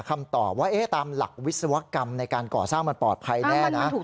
คำตอบว่าตามหลักวิศวกรรมในการก่อสร้างมันปลอดภัยแน่นะ